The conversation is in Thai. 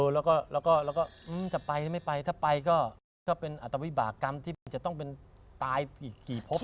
แล้วก็จะไปหรือไม่ไปถ้าไปก็มันก็เป็นอัตวิบากรรมที่มันจะต้องเป็นตายกี่พบ